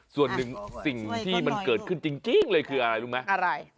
ส่วนหนึ่งสิ่งที่มันเกิดขึ้นจริงเลยคืออะไรรู้ไหมอะไร